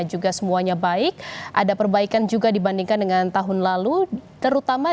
juga semuanya baik ada perbaikan juga dibandingkan dengan tahun lalu terutama